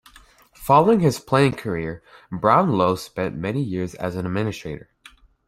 Following his playing career, Brownlow spent many years as an administrator.